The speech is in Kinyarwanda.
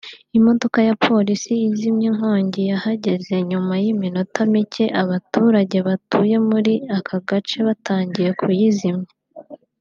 Imodoka ya polisi izimya inkongi yahageze nyuma y’iminota mike abaturage batuye muri aka gace batangiye kuyizimya